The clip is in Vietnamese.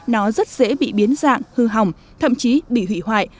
nó rất dễ bị biến dạng hư hỏng thậm chí bị hủy hoại